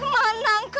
itu yang diutamakan